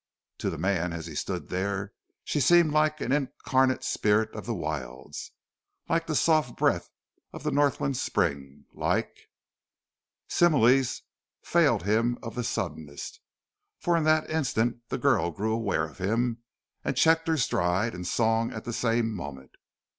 To the man, as he stood there, she seemed like an incarnate spirit of the wilds, like the soft breath of the Northland spring, like Similes failed him of the suddenest, for in that instant the girl grew aware of him and checked her stride and song at the same moment.